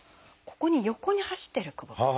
ここに横に走ってるくぼみ